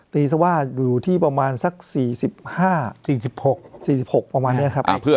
ตีสักว่าอยู่ที่ประมาณสัก๔๕๔๖ประมาณนี้ไป